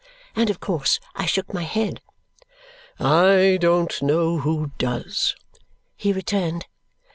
And of course I shook my head. "I don't know who does," he returned.